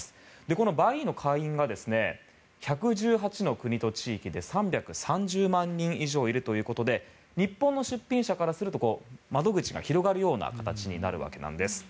このＢｕｙｅｅの会員が１１８の国と地域で３３０万人以上いるということで日本の出品者からすると窓口が広がるような形になるわけなんです。